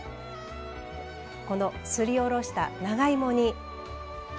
このすりおろした長芋に。